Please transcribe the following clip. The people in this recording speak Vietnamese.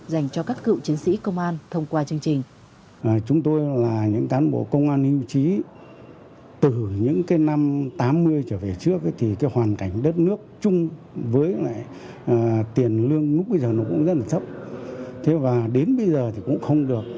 dành cho các cựu chiến sĩ công an thông qua chương trình